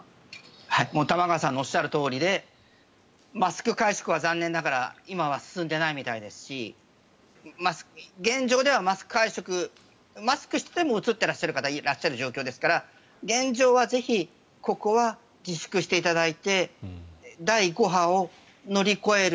玉川さんのおっしゃるとおりでマスク会食は残念ながら今は進んでないみたいですし現状ではマスク会食マスクをしててもうつっている方がいらっしゃる状況ですから現状はぜひここは自粛していただいて第５波を乗り越える